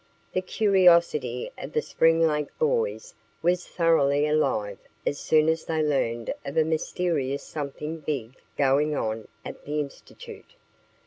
The curiosity of the Spring Lake boys was thoroughly alive as soon as they learned of a mysterious "something big" going on at the institute.